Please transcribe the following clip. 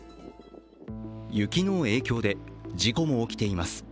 雪の影響で事故も起きています。